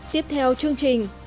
tiếp theo chương trình